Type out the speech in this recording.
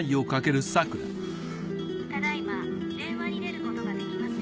ただ今電話に出ることができません。